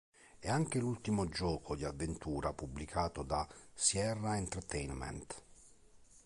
È anche l'ultimo gioco di avventura pubblicato da Sierra Entertainment.